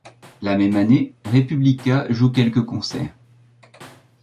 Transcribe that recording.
La même année, Republica joue quelques concerts.